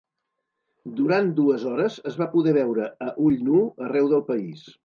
Durant dues hores es va poder veure a ull nu arreu del país.